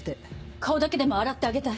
顔だけでも洗ってあげたい。